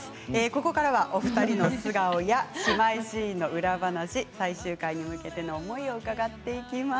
ここからはお二人の素顔や姉妹シーンの裏話最終回へ向けての思いを伺っていきます。